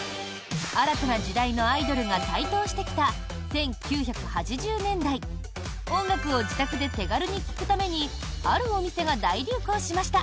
新たな時代のアイドルが台頭してきた１９８０年代音楽を自宅で手軽に聴くためにあるお店が大流行しました。